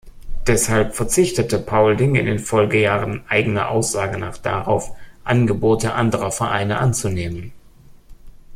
Deshalb verzichtete Paulding in den Folgejahren eigener Aussage nach darauf, Angebote anderer Vereine anzunehmen.